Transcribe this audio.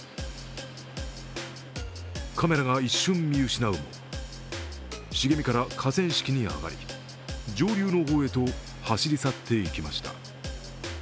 カメラが一瞬、見失うも茂みから河川敷に上がり上流の方へと走り去っていきました。